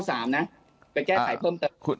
ไปแก้ไขเพิ่มเติมขุด